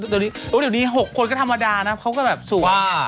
เดี๋ยวนี้๖คนก็ธรรมดานะเขาก็แบบสวย